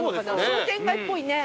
商店街っぽいね。